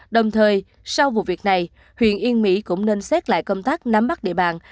đồng thời sau vụ việc này huyện yên mỹ cũng nên xét lại công tác nắm bắt địa bàn